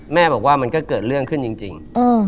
แม่บอกว่ามันก็เกิดเรื่องขึ้นจริง